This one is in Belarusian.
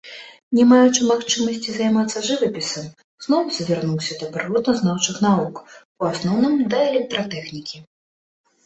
Не маючы магчымасці займацца жывапісам, зноў звярнуўся да прыродазнаўчых навук, у асноўным, да электратэхнікі.